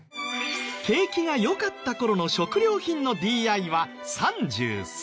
景気が良かった頃の食料品のＤ．Ｉ．は３３。